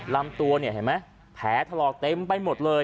ลำตัวเนี่ยเห็นไหมแผลถลอกเต็มไปหมดเลย